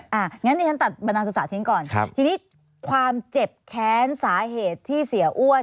งั้นฉันตัดบรรดานโทรศะทิ้งก่อนทีนี้ความเจ็บแค้นสาเหตุที่เสียอ้วน